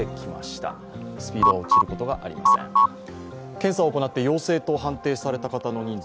検査を行って陽性と判定された方の人数